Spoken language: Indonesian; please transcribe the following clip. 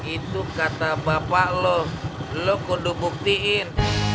itu kata bapak lo lo kudu buktiin